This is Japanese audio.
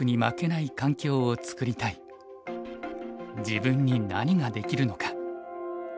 自分に何ができるのか。